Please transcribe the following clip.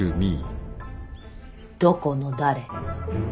どこの誰？